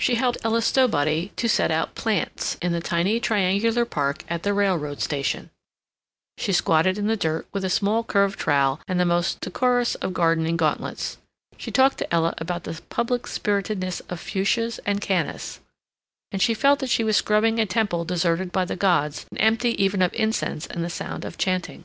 She helped Ella Stowbody to set out plants in the tiny triangular park at the railroad station; she squatted in the dirt, with a small curved trowel and the most decorous of gardening gauntlets; she talked to Ella about the public spiritedness of fuchsias and cannas; and she felt that she was scrubbing a temple deserted by the gods and empty even of incense and the sound of chanting.